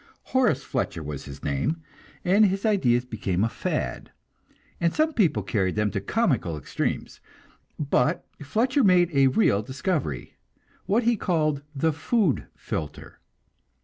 Horace Fletcher was his name, and his ideas became a fad, and some people carried them to comical extremes. But Fletcher made a real discovery; what he called "the food filter."